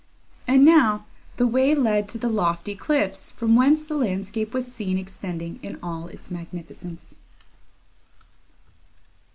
And now, the way led to the lofty cliffs, from whence the landscape was seen extending in all its magnificence.